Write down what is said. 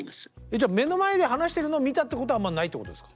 じゃあ目の前で話してるのを見たってことはあんまないってことですか？